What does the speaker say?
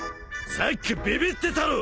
さっきビビってたろ！